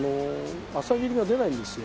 朝霧が出ないんですよ。